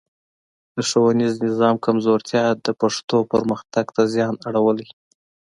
د ښوونیز نظام کمزورتیا د پښتو پرمختګ ته زیان اړولی.